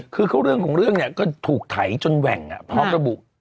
คือของเรื่องเนี่ยก็ถูกไถ่จนแหว่งภาพระบุ